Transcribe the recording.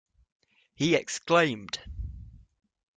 He exclaimed.